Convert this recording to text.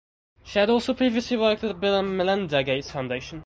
She had also previously worked with the Bill and Melinda Gates Foundation.